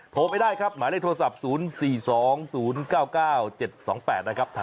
โทรไปได้ครับหมายเลขโทรศัพท์๐๔๒๐๙๙๗๒๘นะครับ